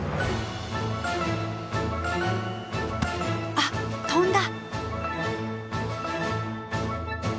あっ飛んだ！